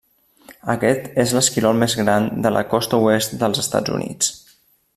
Aquest és l'esquirol més gran de la costa oest dels Estats Units.